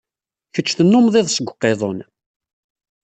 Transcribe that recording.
Kecc tennummeḍ iḍes deg uqiḍun.